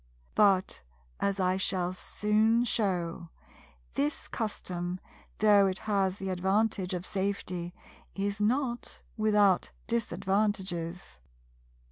But, as I shall soon shew, this custom, though it has the advantage of safety, is not without disadvantages.